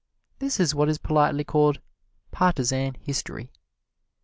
This is what is politely called partisan history.